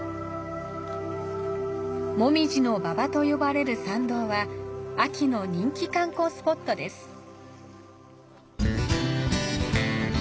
紅葉の馬場と呼ばれる参道は秋の人気観光スポットです。